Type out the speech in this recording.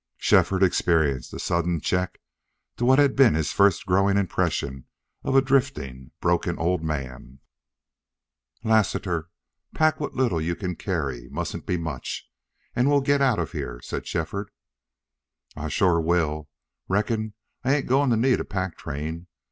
Shefford experienced a sudden check to what had been his first growing impression of a drifting, broken old man. "Lassiter, pack what little you can carry mustn't be much and we'll get out of here," said Shefford. "I shore will. Reckon I ain't a goin' to need a pack train.